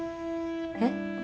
えっ？